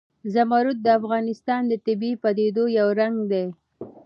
زمرد د افغانستان د طبیعي پدیدو یو رنګ دی.